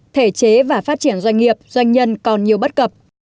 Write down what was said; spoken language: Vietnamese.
thể chế và phát triển doanh nghiệp doanh nhân còn nhiều bất cập